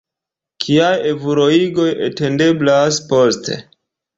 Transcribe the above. Kiaj evoluigoj atendeblas poste?